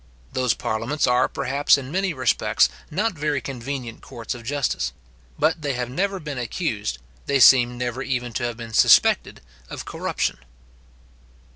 Those parliaments are, perhaps, in many respects, not very convenient courts of justice; but they have never been accused; they seem never even to have been suspected of corruption.